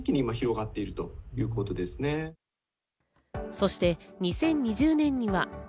そして、２０２０年には。